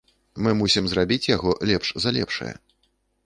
Мы мусім зрабіць яго лепш за лепшае.